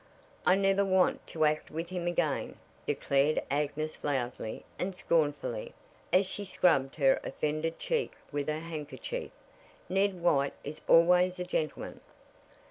"I never want to act with him again!" declared Agnes loudly and scornfully, as she scrubbed her offended cheek with her handkerchief. "Ned White is always a gentleman."